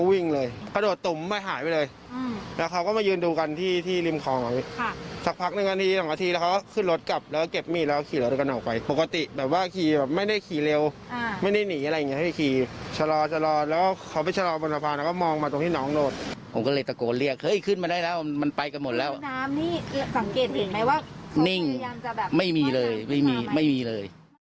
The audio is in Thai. หมายว่าเขาพยายามจะแบบนิ่งไม่มีเลยไม่มีไม่มีเลย